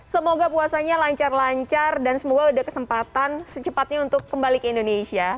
semoga puasanya lancar lancar dan semoga sudah kesempatan secepatnya untuk kembali ke indonesia